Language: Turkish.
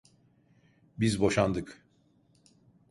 Biz boşandık.